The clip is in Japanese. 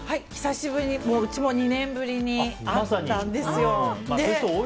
久しぶりに、うちも２年ぶりに会ったんです。